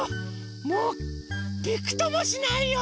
もうびくともしないよ！